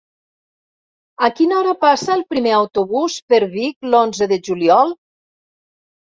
A quina hora passa el primer autobús per Vic l'onze de juliol?